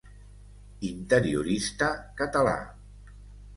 Interiorista català.